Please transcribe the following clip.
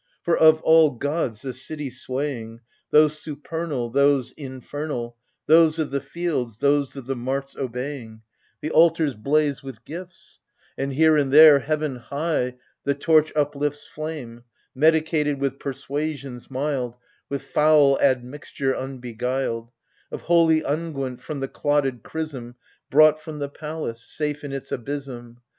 For, of all gods the city swaying, Those supernal, those infernal, Those of the fields', those of the mart's obeying, — The altars blaze with gifts ; And here and there, heaven high the torch uplifts Flame — medicated with persuasions mildj With foul admixture unbeguiled — Of holy unguent, from the clotted chrism Brought from the palace, safe in its abysm.